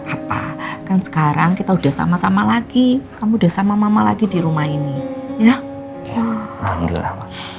apa kan sekarang kita udah sama sama lagi kamu udah sama mama lagi di rumah ini ya lahirlah